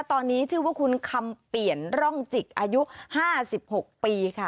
ตอนนี้ชื่อว่าคุณคำเปลี่ยนร่องจิกอายุ๕๖ปีค่ะ